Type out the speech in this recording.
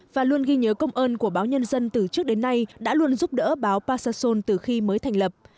và luôn ghi nhớ công ơn của báo nhân dân từ trước đến nay đã luôn giúp đỡ báo pa sa son từ khi mới thành lập